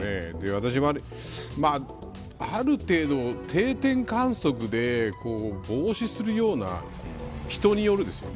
私もある程度定点観測で防止するような人によるですよ